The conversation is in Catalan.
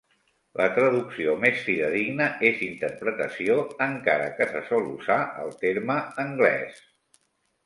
La traducció més fidedigna és interpretació, encara que se sol usar el terme anglès.